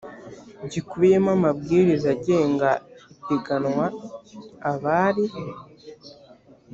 gikubiyemo amabwiriza agenga ipiganwa abari